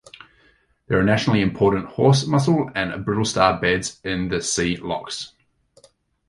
There are nationally important horse mussel and brittlestar beds in the sea lochs.